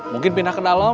mungkin pindah kedalem